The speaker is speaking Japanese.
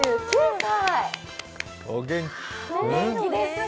お元気ですね。